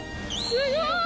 すごい！